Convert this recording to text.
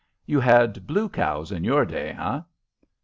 "You had blue cows in your day, eh?"